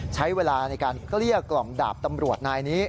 ใช้เวลาในการเกลี้ยกล่อมดาบตำรวจนายนี้